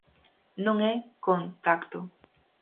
Non é con-tacto.